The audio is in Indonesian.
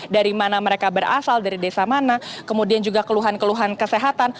dari mana mereka berasal dari desa mana kemudian juga keluhan keluhan kesehatan